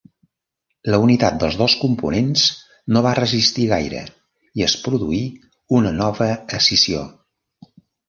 La unitat dels dos components no va resistir gaire i es produí una nova escissió.